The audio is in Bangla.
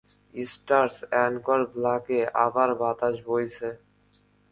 স্টারজ এনকোর ব্ল্যাকে আবার বাতাস বইছে।